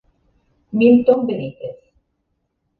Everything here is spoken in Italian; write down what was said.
Milton Benítez